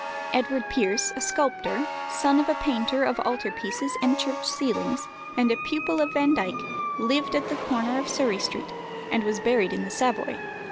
Edward Pierce, a sculptor, son of a painter of altar pieces and church ceilings, and a pupil of Vandyke, lived at the corner of Surrey Street, and was buried in the Savoy.